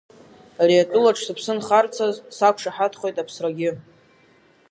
Ари атәылаҿ сыԥсы нхарцаз, сақәшаҳаҭхоит Аԥсрагьы.